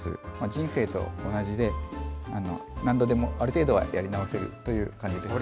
人生と同じで何度でも、ある程度はやり直せるという感じです。